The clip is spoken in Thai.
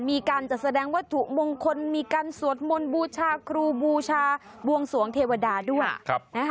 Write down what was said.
มีการจัดแสดงวัตถุมงคลมีการสวดมนต์บูชาครูบูชาบวงสวงเทวดาด้วย